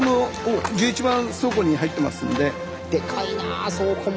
でかいな倉庫も。